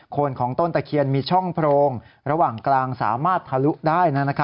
คนของต้นตะเคียนมีช่องโพรงระหว่างกลางสามารถทะลุได้